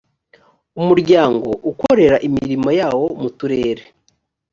umuryango ukorera imirimo yawo mu turere